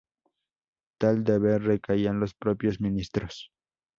Tal deber recaía en los propios Ministros.